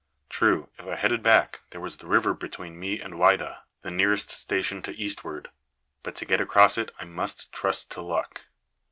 True, if I headed back, there was the river between me and Whydah, the nearest station to eastward; but to get across it I must trust to luck.